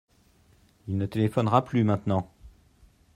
Il ne téléphonera plus maintenant.